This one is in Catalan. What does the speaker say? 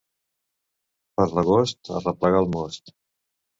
Per l'agost, a replegar el most.